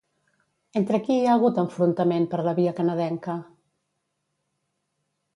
Entre qui hi ha hagut enfrontament per la via canadenca?